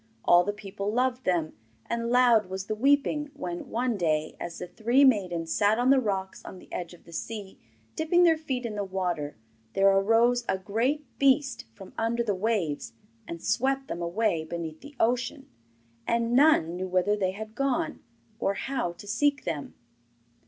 All the people loved them, and loud was the weeping when one day, as the three maidens sat on the rocks on the edge of the sea, dipping their feet in the water, there arose a great beast from under the waves and swept them away beneath the ocean. And none knew whither they had gone, or how to seek them.